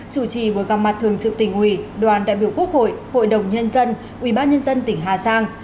chủ trì bối căm mặt thường trực tỉnh ủy đoàn đại biểu quốc hội hội đồng nhân dân ubnd tỉnh hà giang